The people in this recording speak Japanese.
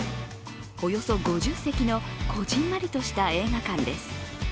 およそ５０席のこぢんまりとした映画館です。